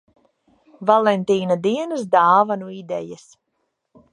Valentīna dienas dāvanu idejas.